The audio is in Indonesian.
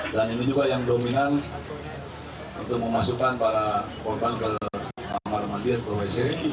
dan ini juga yang dominan untuk memasukkan para korban ke marmandir ke wc